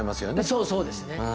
そうそうですね。